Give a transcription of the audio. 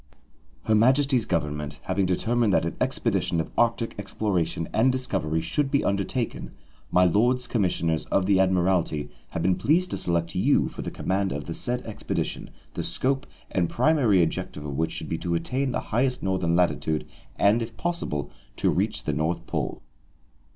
"Her Majesty's Government, having determined that an expedition of Arctic exploration and discovery should be undertaken, My Lords Commissioners of the Admiralty have been pleased to select you for the command of the said expedition, the scope and primary object of which should be to attain the highest northern latitude and, if possible, to reach the North Pole."